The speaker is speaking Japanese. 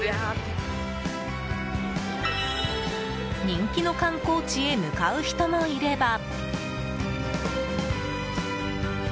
人気の観光地へ向かう人もいれば。